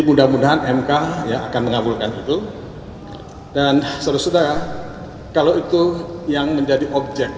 mudah mudahan mk akan mengabulkan itu dan saudara saudara kalau itu yang menjadi objek